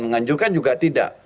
menganjurkan juga tidak